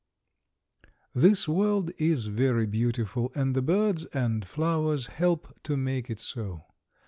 This world is very beautiful and the birds and flowers help to make it so.